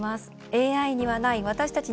ＡＩにはない私たち